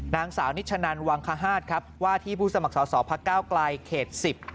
นางสาวนิชนันวังคฮาสครับว่าที่ผู้สมัครสอสอพักก้าวไกลเขต๑๐